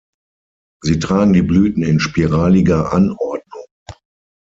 Sie tragen die Blüten in spiraliger Anordnung.